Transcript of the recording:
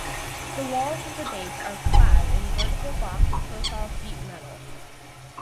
The walls of the base are clad in vertical box profile sheet metal.